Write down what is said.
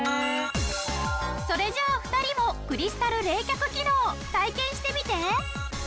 それじゃあ２人もクリスタル冷却機能を体験してみて。